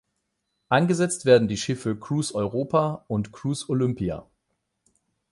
Eingesetzt werden die Schiffe "Cruise Europa" und "Cruise Olympia".